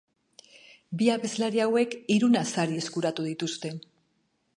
Bi abeslari hauek hiruna sari eskuratu dituzte.